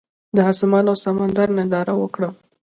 د اسمان او سمندر ننداره وکړم.